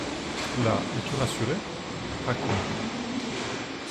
Là, es-tu rassuré ? Raconte.